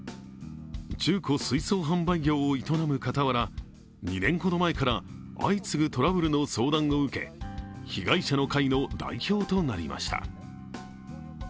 中古水槽販売業を営む傍ら２年ほど前から相次ぐトラブルの相談を受け被害者の会の代表となりました。